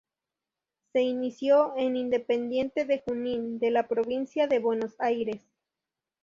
Se inició en Independiente de Junín, de la provincia de Buenos Aires.